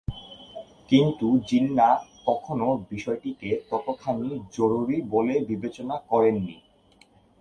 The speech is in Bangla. কিন্তু জিন্নাহ কখনও বিষয়টিকে ততখানি জরুরি বলে বিবেচনা করেন নি।